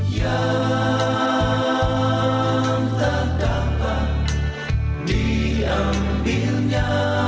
yang tak dapat diambilnya